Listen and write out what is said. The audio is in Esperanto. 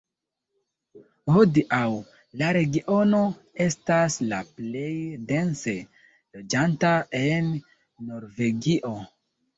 Hodiaŭ, la regiono estas la plej dense loĝata en Norvegio.